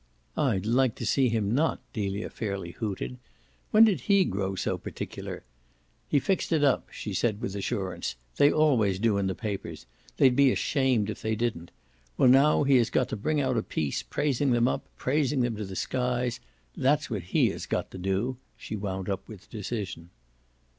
"I'd like to see him not!" Delia fairly hooted. "When did he grow so particular? He fixed it up," she said with assurance. "They always do in the papers they'd be ashamed if they didn't. Well now he has got to bring out a piece praising them up praising them to the skies: that's what he has got to do!" she wound up with decision.